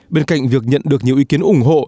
bên cạnh việc nhận được nhiều ý kiến ủng hộ